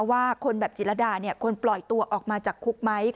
ว่าคนแบบจิรดาควรปล่อยตัวออกมาจากคุกไหม